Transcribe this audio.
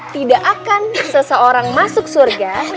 tidak akan seseorang masuk surga